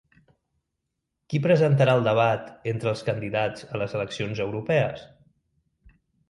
Qui presentarà el debat entre els candidats a les eleccions europees?